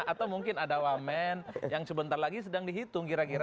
atau mungkin ada wamen yang sebentar lagi sedang dihitung kira kira